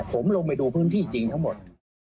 ผมลงไปดูพื้นที่จริงทั้งหมด